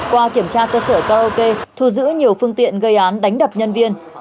qua kiểm tra cơ sở karaoke thu giữ nhiều phương tiện gây án đánh đập nhân viên